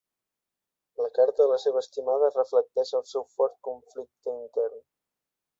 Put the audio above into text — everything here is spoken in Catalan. La carta a la seva estimada reflecteix el seu fort conflicte intern.